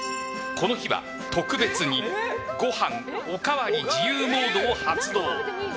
この日は特別にご飯おかわり自由モードを発動。